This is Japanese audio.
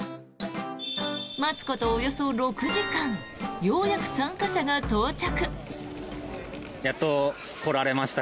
待つことおよそ６時間ようやく参加者が到着。